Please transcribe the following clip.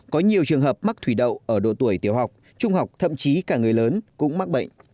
có nhiều trường hợp mắc thủy đậu ở độ tuổi tiểu học trung học thậm chí cả người lớn cũng mắc bệnh